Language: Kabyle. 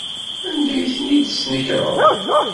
Anda ay ten-id-tesnekreḍ?